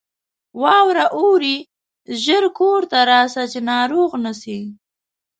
واوره اوري ! ژر کورته راسه ، چې ناروغ نه سې.